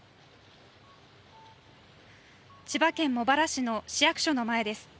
千葉県茂原市の市役所の前です。